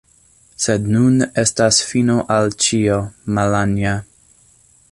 sed nun estas fino al ĉio, Malanja.